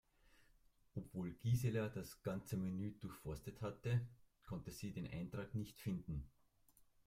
Obwohl Gisela das ganze Menü durchforstet hatte, konnte sie den Eintrag nicht finden.